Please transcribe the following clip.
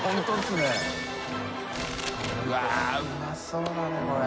うわっうまそうだねこれ。